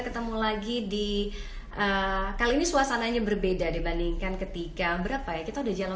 ketemu lagi di kali ini suasananya berbeda dibandingkan ketika berapa ya kita udah jalan